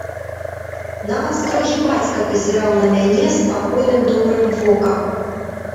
Нават строгі бацька пазіраў на мяне спакойным добрым вокам.